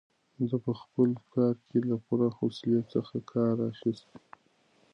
ده په خپل کار کې له پوره حوصلې څخه کار اخیست.